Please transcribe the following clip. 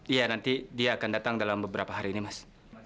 iya nanti dia akan datang dalam beberapa hari ini mas